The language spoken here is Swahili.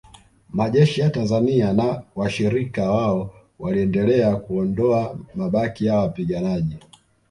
Majeshi ya Tanzania na washirika wao waliendelea kuondoa mabaki ya wapiganaji